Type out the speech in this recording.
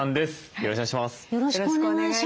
よろしくお願いします。